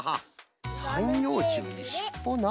さんようちゅうにしっぽな。